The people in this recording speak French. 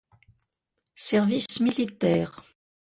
Service militaire.